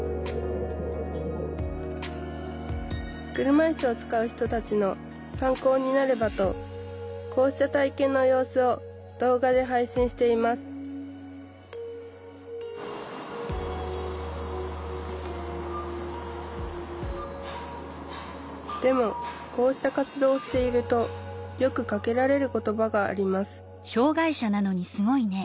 車いすを使う人たちの参考になればとこうした体験の様子を動画で配信していますでもこうした活動をしているとよくかけられる言葉があります